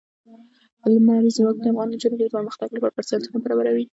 لمریز ځواک د افغان نجونو د پرمختګ لپاره فرصتونه برابروي.